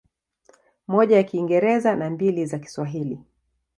Moja ya Kiingereza na mbili za Kiswahili.